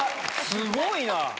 すごいな。